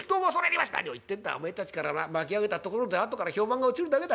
「何を言ってんだおめえたちからな巻き上げたところであとから評判が落ちるだけだ。